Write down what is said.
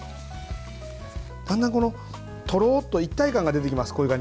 だんだん、とろっと一体感が出てきます。